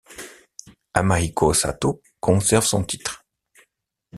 Amahiko Sato conserve son titre.